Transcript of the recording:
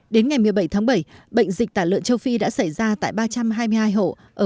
đến ngày một mươi bảy tháng bảy bệnh dịch tả lợn châu phi đã xảy ra tại ba trăm hai mươi hai hộ